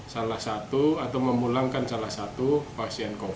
salah satu atau memulakan perusakan